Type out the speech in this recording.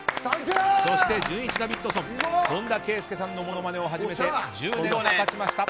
そして、じゅんいちダビッドソン本田圭佑さんのモノマネを始めて１０年が経ちました。